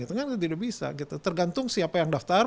tidak bisa tergantung siapa yang daftar